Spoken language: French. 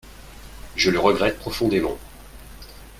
Je le regrette profondément.